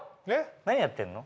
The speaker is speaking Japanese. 何やってんの？